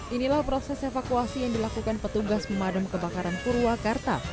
inilah proses evakuasi yang dilakukan petugas pemadam kebakaran purwakarta